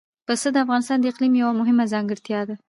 پسه د افغانستان د اقلیم یوه مهمه ځانګړتیا ده.